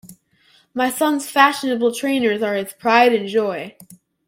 My son's fashionable trainers are his pride and joy